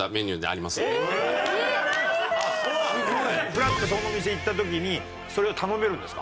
ふらっとその店行った時にそれを頼めるんですか？